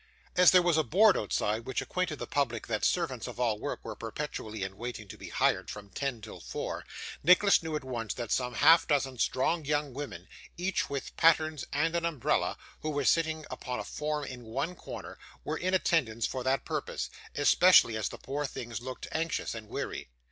As there was a board outside, which acquainted the public that servants of all work were perpetually in waiting to be hired from ten till four, Nicholas knew at once that some half dozen strong young women, each with pattens and an umbrella, who were sitting upon a form in one corner, were in attendance for that purpose: especially as the poor things looked anxious and weary.